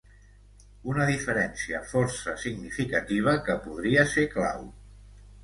Una diferència força significativa, que podria ser clau.